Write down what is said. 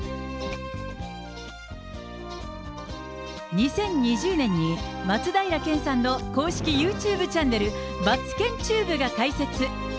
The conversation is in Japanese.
２０２０年に松平健さんの公式ユーチューブチャンネル、マツケンチューブが開設。